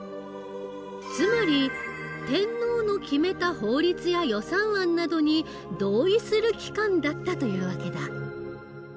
つまり天皇の決めた法律や予算案などに同意する機関だったという訳だ。